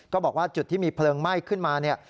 บอกว่าจุดที่มีเพลิงไหม้ขึ้นมาเนี่ย